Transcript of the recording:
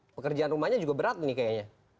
pekerjaan rumahnya juga berat nih kayaknya